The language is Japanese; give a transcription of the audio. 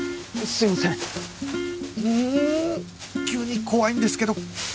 急に怖いんですけど